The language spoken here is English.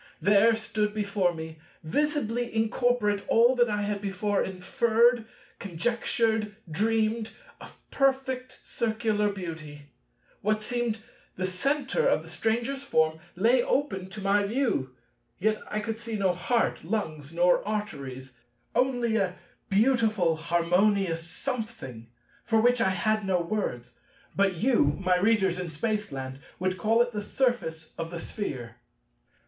There stood before me, visibly incorporate, all that I had before inferred, conjectured, dreamed, of perfect Circular beauty. What seemed the centre of the Stranger's form lay open to my view: yet I could see no heart, lungs, nor arteries, only a beautiful harmonious Something—for which I had no words; but you, my Readers in Spaceland, would call it the surface of the Sphere.